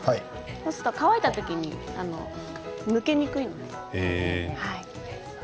こうすると乾いた時に抜けにくいんです。